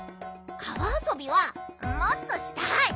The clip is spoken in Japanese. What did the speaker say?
かわあそびはもっとしたい！